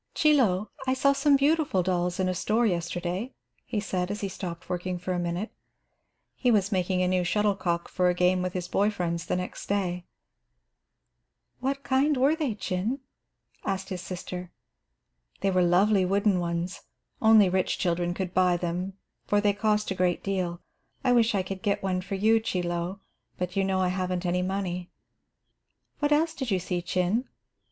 "Chie Lo, I saw some beautiful dolls in a store yesterday," he said, as he stopped working for a minute. He was making a new shuttlecock for a game with his boy friends the next day. "What kind were they, Chin?" asked his sister. "They were lovely wooden ones. Only rich children could buy them, for they cost a great deal. I wish I could get one for you, Chie Lo, but you know I haven't any money." "What else did you see, Chin?"